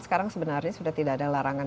sekarang sebenarnya sudah tidak ada larangan